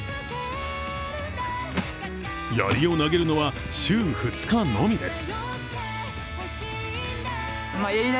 やりを投げるのは週２日のみです。